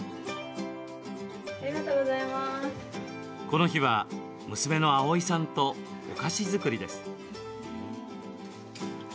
この日は、娘の葵さんとお菓子作りです。